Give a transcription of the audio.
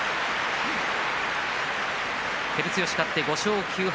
照強、勝って５勝９敗。